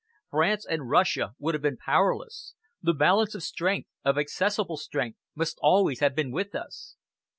France and Russia would have been powerless the balance of strength, of accessible strength, must always have been with us.